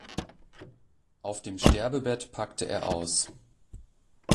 Auf dem Sterbebett packte er aus.